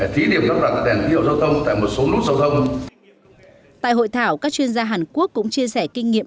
thí điểm xây dựng hệ thống thẻ vé thông minh trên các tiếng vlt